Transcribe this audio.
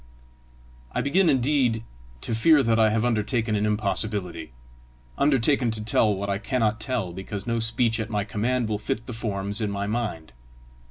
I begin indeed to fear that I have undertaken an impossibility, undertaken to tell what I cannot tell because no speech at my command will fit the forms in my mind.